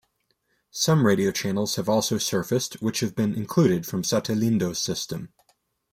Some radio channels have also surfaced which have been included from Satellindo's system.